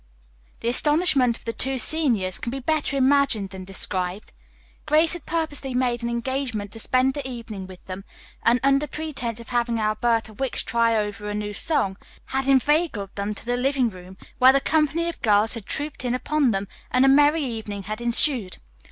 The astonishment of the two seniors can be better imagined than described. Grace had purposely made an engagement to spend the evening with them, and under pretense of having Alberta Wicks try over a new song, had inveigled them to the living room, where the company of girls had trooped in upon them, and a merry evening had ensued.